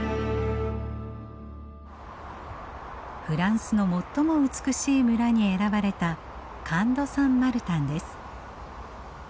フランスの最も美しい村に選ばれたカンド・サン・マルタンです。